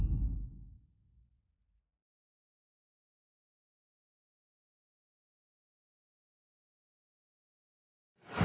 ini ada apaan